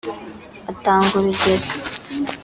Atanga urugero